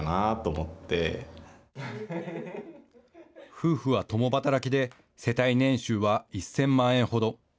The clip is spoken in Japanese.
夫婦は共働きで世帯年収は１０００万円ほど。